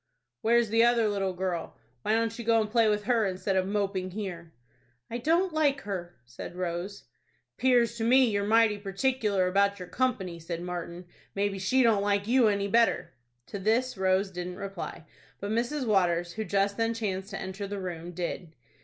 "Where's the other little girl? Why don't you go and play with her, instead of moping here?" "I don't like her," said Rose. "'Pears to me you're mighty particular about your company," said Martin. "Maybe she don't like you any better." To this Rose didn't reply; but Mrs. Waters, who just then chanced to enter the room, did.